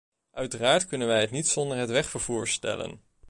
Uiteraard kunnen wij het niet zonder het wegvervoer stellen.